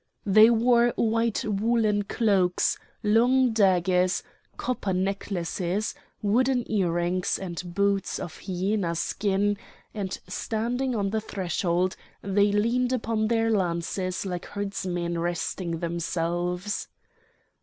They wore white woollen cloaks, long daggers, copper necklaces, wooden earrings, and boots of hyena skin; and standing on the threshold they leaned upon their lances like herdsmen resting themselves.